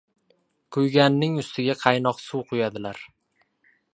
• Kuyganning ustiga qaynoq suv quyadilar.